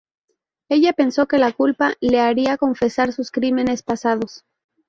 Ella pensó que la culpa le haría confesar sus crímenes pasados.